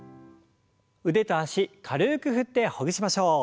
腕と脚軽く振ってほぐしましょう。